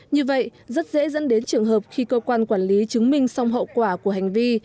như vậy rất dễ dẫn đến trường hợp khi cơ quan quản lý chứng minh xong hậu quả của hành vi